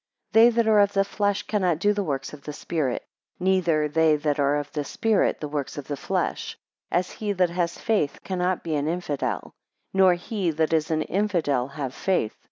9 They that are of the flesh cannot do the works of the spirit; neither they that are of the spirit the works of the flesh; as he that has faith cannot be an infidel; nor he that is an infidel have faith.